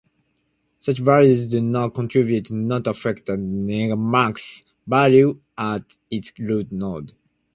Such values do not contribute nor affect the negamax value at its root node.